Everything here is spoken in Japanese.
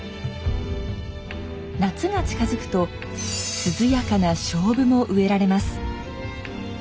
夏が近づくと涼やかな菖蒲も植えられます。